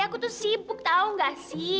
aku tuh sibuk tahu nggak sih